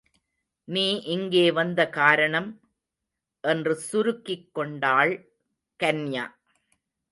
நீ இங்கே வந்த காரணம். என்று சுருக்கிக் கொண்டாள் கன்யா.